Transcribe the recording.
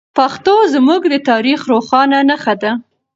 پښتو زموږ د تاریخ روښانه نښه ده.